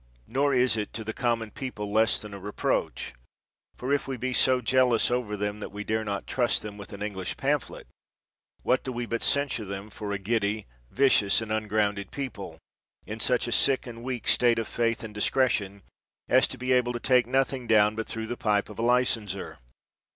Nor is it to the common people less than a re proach; for if we be so jealous over them as that we dare not trust them with an English pamphlet, what do we but censure them for a giddy, vicious, and ungrounded people, in such a sick and weak state of faith and discretion, as to be able to take nothing down but through the pipe of a licenser